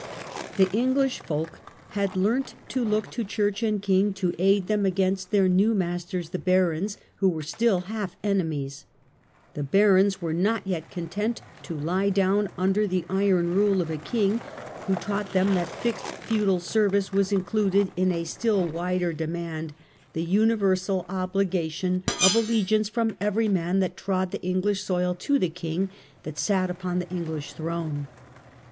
The English folk had learnt to look to church and king to aid them against their new masters the barons, who were still half enemies. The barons were not yet content to lie down under the iron rule of a king who taught them that fixed feudal service was included in a still wider demand, the universal obli 8 THE HOUSE OF ANJOU. gation of allegiance from every man that trod the English soil to the king that sat upon the .English throne.